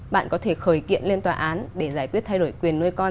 bạn có thể khởi kiện lên tòa án để giải quyết thay đổi quyền nuôi con